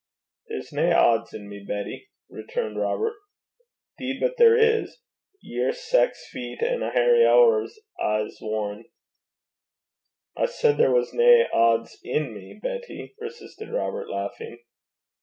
'There's nae odds in me, Betty,' returned Robert. ''Deed but there is. Ye're sax feet an' a hairy ower, I s' warran'.' 'I said there was nae odds i' me, Betty,' persisted Robert, laughing.